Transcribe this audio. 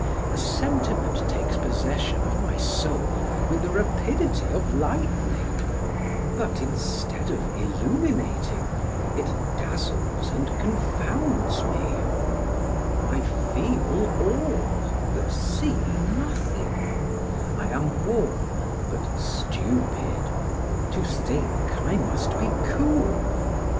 A sentiment takes possession of my soul with the rapidity of lightning, but instead of illuminating, it dazzles and confounds me; I feel all, but see nothing; I am warm, but stupid; to think I must be cool.